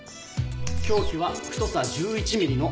凶器は太さ１１ミリのロープ。